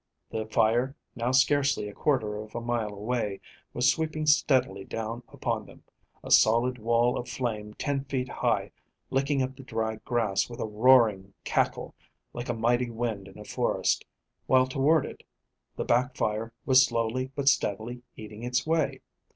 The fire, now scarcely a quarter of a mile away, was sweeping steadily down upon them, a solid wall of flame ten feet high licking up the dry grass with a roaring cackle like a mighty wind in a forest, while toward it the back fire was slowly but steadily eating its way.